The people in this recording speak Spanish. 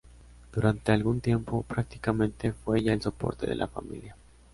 Durante algún tiempo, prácticamente fue ella el soporte de la familia.